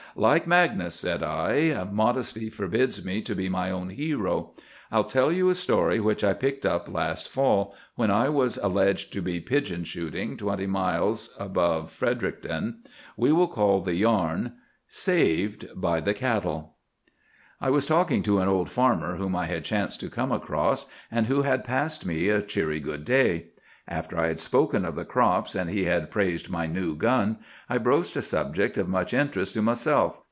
"Like Magnus," said I, "modesty forbids me to be my own hero. I'll tell you a story which I picked up last fall, when I was alleged to be pigeon shooting twenty miles above Fredericton. We will call the yarn— 'SAVED BY THE CATTLE.' "I was talking to an old farmer whom I had chanced to come across, and who had passed me a cheery good day. After I had spoken of the crops, and he had praised my new gun, I broached a subject of much interest to myself.